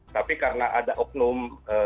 tapi karena ada opnum